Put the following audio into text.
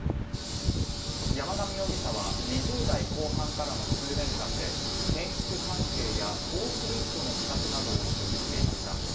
山上容疑者は２０代後半からの数年間で建築関係やフォークリフトの資格などを取得していました。